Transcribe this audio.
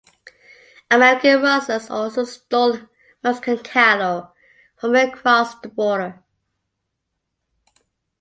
American rustlers also stole Mexican cattle from across the border.